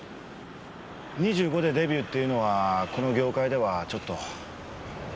２５でデビューっていうのはこの業界ではちょっと。